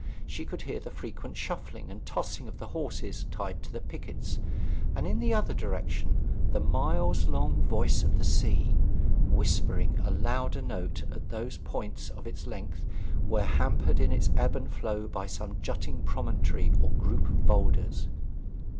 She could hear the frequent shuffling and tossing of the horses tied to the pickets; and in the other direction the miles long voice of the sea, whispering a louder note at those points of its length where hampered in its ebb and flow by some jutting promontory or group of boulders.